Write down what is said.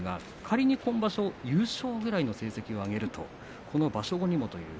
今場所、優勝ぐらいの成績を挙げると場所後にもという。